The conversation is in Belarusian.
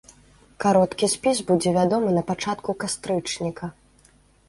Кароткі спіс будзе вядомы напачатку кастрычніка.